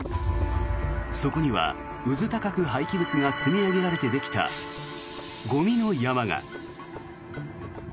そこにはうずたかく廃棄物が積み上げられてできたゴミの山が。